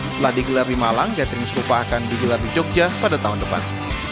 setelah digelar di malang catering serupa akan digelar di jogja pada tahun depan